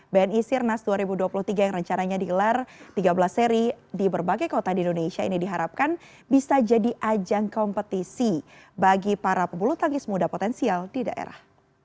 bni sirnas dua ribu dua puluh tiga yang rencananya digelar tiga belas seri di berbagai kota di indonesia ini diharapkan bisa jadi ajang kompetisi bagi para pebulu tangkis muda potensial di daerah